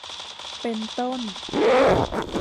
เป็นต้น